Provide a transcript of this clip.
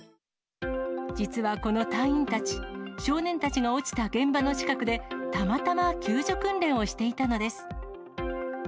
実はこの隊員たち、少年たちが落ちた現場の近くで、たまたま救助訓練をしていたのです。